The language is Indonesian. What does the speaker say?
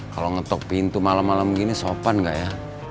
kalau ngetok pintu malam malam gini sopan nggak ya